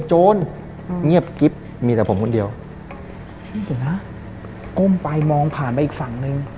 โจรเงียบกิ๊บมีแต่ผมคนเดียวเห็นไหมก้มไปมองผ่านไปอีกฝั่งหนึ่ง